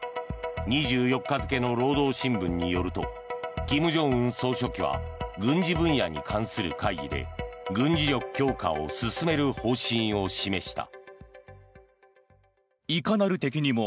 ２４日付の労働新聞によると金正恩総書記は軍事分野に関する会議で軍事力強化を進める方針を示した。